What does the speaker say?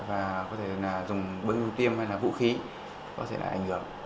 và có thể dùng bơ hưu tiêm hay là vũ khí có thể là ảnh hưởng